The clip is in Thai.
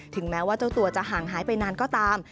แม้ว่าเจ้าตัวจะห่างหายไปนานก็ตาม